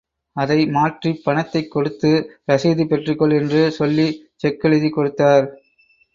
அதை மாற்றிப் பணத்தைக் கொடுத்து ரசீது பெற்றுக்கொள் என்று சொல்லி செக் எழுதி கொடுத்தார்.